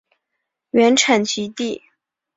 原产极地。